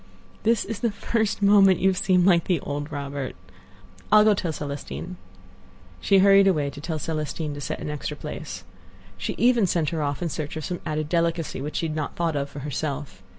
"This is the first moment you have seemed like the old Robert. I'll go tell Celestine." She hurried away to tell Celestine to set an extra place. She even sent her off in search of some added delicacy which she had not thought of for herself.